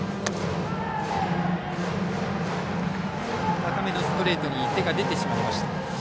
高めのストレートに手が出てしまいました。